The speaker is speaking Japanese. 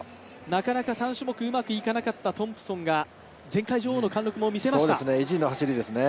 なかなか３種目うまくいかなかったトンプソンが前回女王の貫禄も見せました。